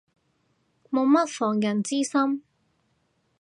冇乜防人之心